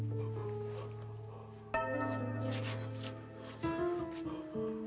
bukan dia pencuri yang kalian maksud